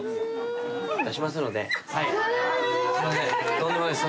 とんでもないです。